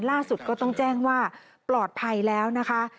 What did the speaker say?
ล่าสุดก็ต้องแจ้งว่าปลอดภัยแล้วนะคะ